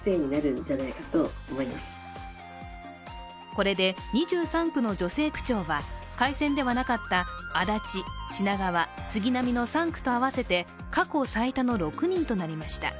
これで２３区の女性区長は再選ではなかった足立、品川、杉並の３区と合わせて過去最多の６人となりました。